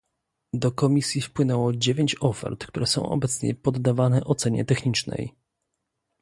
Do Komisji wpłynęło dziewięć ofert, które są obecnie poddawane ocenie technicznej